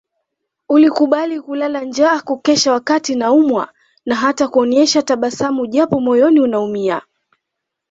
Ulikubali kulala njaa kukesha wakati naumwa na hata kuonyesha tabasamu japo moyoni unaumia